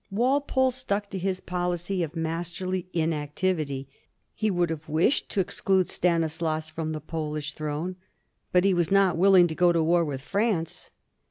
Walpole stuck to his policy of masterly inactivity. He would haye wished to exclude Stanislaus from the Polish throne, but he was not willing to go to war with France.